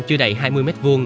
chưa đầy hai mươi m hai